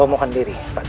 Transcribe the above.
kamu mohon diri pati